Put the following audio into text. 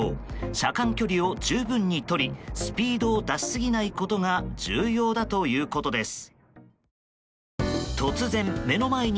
車間距離を十分にとりスピードを出しすぎないことが重要だということです。